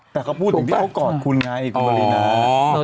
แต่เขาพูดถึงที่เขากอดคุณไงคุณปรินา